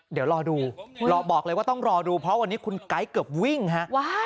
เดี๋ยวรอดูรอบอกเลยว่าต้องรอดูเพราะวันนี้คุณไก๊เกือบวิ่งฮะ